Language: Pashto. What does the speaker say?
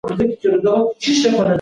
کتابتون ته لاړ شئ او معلومات راټول کړئ.